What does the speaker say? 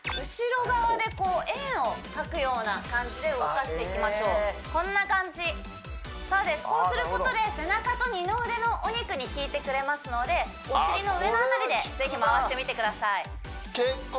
後ろ側で円を描くような感じで動かしていきましょうこんな感じこうすることで背中と二の腕のお肉にきいてくれますのでお尻の上の辺りでぜひ回してみてください